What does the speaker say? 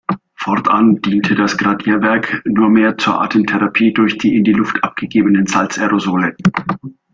Fortan diente das Gradierwerk nurmehr zur Atemtherapie durch die in die Luft abgegebenen Salz-Aerosole.